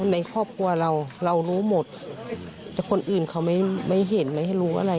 ในครอบครัวเราเรารู้หมดแต่คนอื่นเขาไม่เห็นไม่ให้รู้อะไร